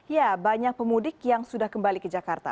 ya banyak pemudik yang sudah kembali ke jakarta